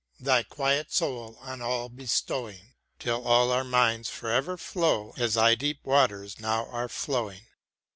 Thy quiet soul on all bestowing. Till all our minds for ever flow As thy deep waters now are flowing.